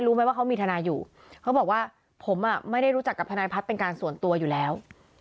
รู้ไหมว่าเขามีทนายอยู่เขาบอกว่าผมอ่ะไม่ได้รู้จักกับทนายพัฒน์เป็นการส่วนตัวอยู่แล้ว